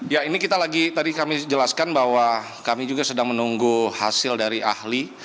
ya ini kita lagi tadi kami jelaskan bahwa kami juga sedang menunggu hasil dari ahli